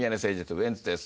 ウエンツです。